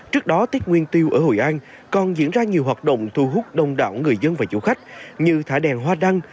trước đó tết nguyên tiêu ở hội an còn diễn ra nhiều hoạt động thu hút đông đảo người dân và du khách như thả đèn hoa đăng